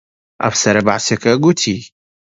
ئەفسەرە بەعسییەکە گوتی: